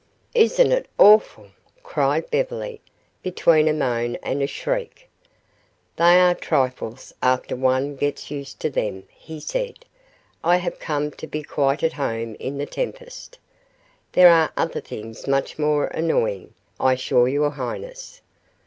"Isn't it awful?" cried Beverly, between a moan a shriek. "They are trifles after one gets used to them," he said. "I have come to be quite at home in the tempest. There are other things much more annoying, I assure your highness.